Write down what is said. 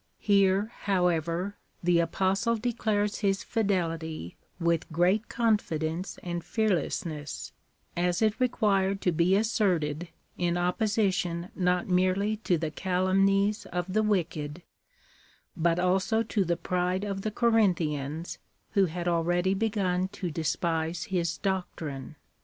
Here, however, the Apostle de clares his fidelity with great confidence and fearlessness, as it required to be asserted in opposition not merely to the calumnies of the wicked, but also to the pride of the Corin thians, who had already begun to despise his doctrine.